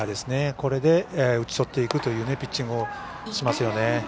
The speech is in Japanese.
これで打ち取っていくというピッチングしますよね。